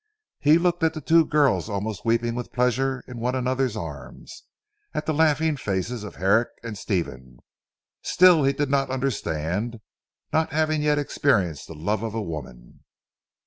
He looked at the two girls almost weeping with pleasure in one another's arms; at the laughing faces of Herrick and Stephen. Still he did not understand, not having yet experienced the love of woman.